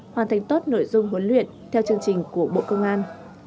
hoàn thành tốt nội dung huấn luyện theo chương trình của bộ công an